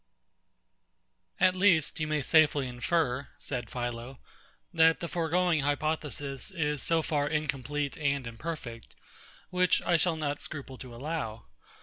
At least, you may safely infer, said PHILO, that the foregoing hypothesis is so far incomplete and imperfect, which I shall not scruple to allow.